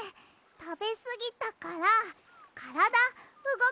たべすぎたからからだうごかさない？